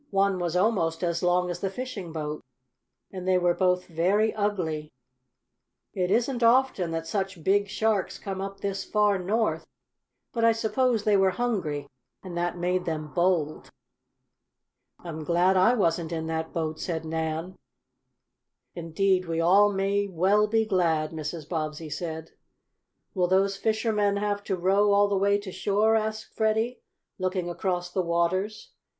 "One was almost as long as the fishing boat, and they were both very ugly. It isn't often that such big sharks come up this far north, but I suppose they were hungry and that made them bold." "I'm glad I wasn't in that boat," said Nan. "Indeed we all may well be glad," Mrs. Bobbsey said. "Will those fishermen have to row all the way to shore?" asked Freddie, looking across the waters.